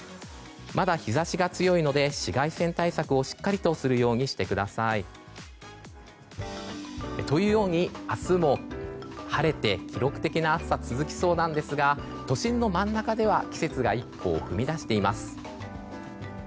まだ日差しが強いので紫外線対策をしっかりとするようにしてください。というように明日も晴れて記録的な暑さが続きそうですが都心の真ん中では季節が一歩を踏み出しています。